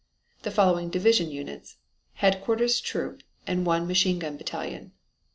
The following division units: Headquarters troop and one machine gun battalion.